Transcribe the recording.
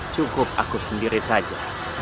cukup aku sendiri saja